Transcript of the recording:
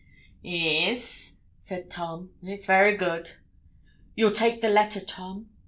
'E'es,' said Tom; 'it's very good.' 'You'll take the letter, Tom?'